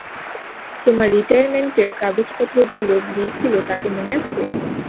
তোমার রিটায়ারমেন্টের কাগজপত্র যে লোক দিয়েছিল তাকে মনে আছে?